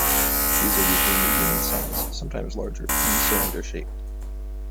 These are usually medium in size, sometimes larger, and cylinder shaped.